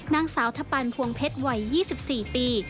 นางสาวทะปันภวงเพชรวัย๒๔ปี